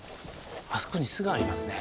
あそこに巣がありますね。